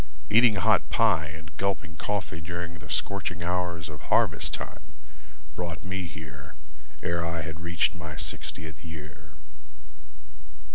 Eating hot pie and gulping coffee During the scorching hours of harvest time Brought me here ere I had reached my sixtieth year.